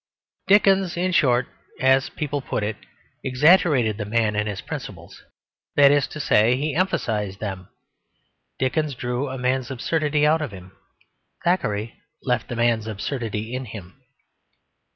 Dickens in short (as people put it) exaggerated the man and his principles; that is to say he emphasised them. Dickens drew a man's absurdity out of him; Thackeray left a man's absurdity in him.